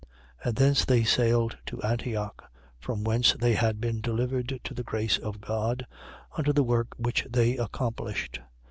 14:25. And thence they sailed to Antioch, from whence they had been delivered to the grace of God, unto the work which they accomplished.